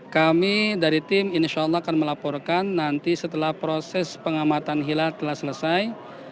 kami dari tim insya allah akan melaporkan nanti setelah proses pengamatan hilal telah selesai